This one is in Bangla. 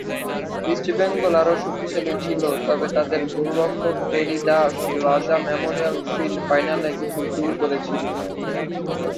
ইস্টবেঙ্গল আরও শক্তিশালী ছিল, তবে তাদের গোলরক্ষক পেরি দাস রাজা মেমোরিয়াল শিল্ড ফাইনালে কিছু ভুল করেছিল।